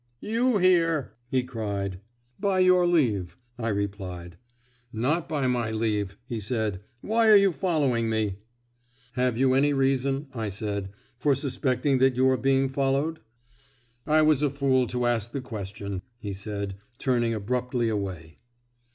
"You here!" he cried. "By your leave," I replied. "Not by my leave," he said. "Why are you following me?" "Have you any reason," I said, "for suspecting that you are being followed?" "I was a fool to ask the question," he said, turning abruptly away.